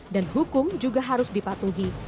dan hukum juga harus dipatuhi